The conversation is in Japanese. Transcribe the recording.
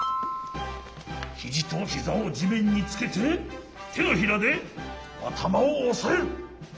ひじとひざをじめんにつけててのひらであたまをおさえる。